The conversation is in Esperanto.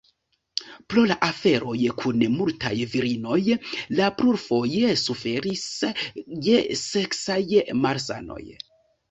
Pro la aferoj kun multaj virinoj, li plurfoje suferis je seksaj malsanoj.